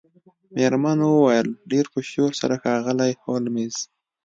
میرمن وویل ډیر په شور سره ښاغلی هولمز